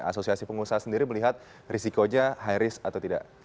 asosiasi pengusaha sendiri melihat risikonya high risk atau tidak